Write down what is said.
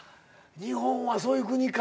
日本はそういう国か。